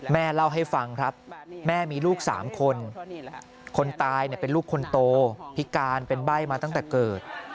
แม่เล่าให้ฟังครับแม่มีลูก๓คนคนตายเป็นลูกคนโตพิการเป็นใบ้มาตั้งแต่เกิด